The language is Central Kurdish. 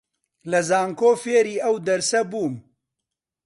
لە زانکۆ فێری ئەو دەرسە بووم